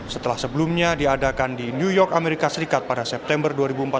setelah sebelumnya diadakan di new york amerika serikat pada september dua ribu empat belas